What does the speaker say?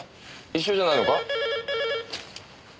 一緒じゃないのか？